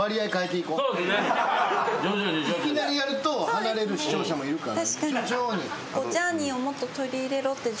いきなりやると離れる視聴者もいるから。